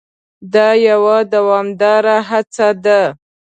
دا یوه دوامداره هڅه ده.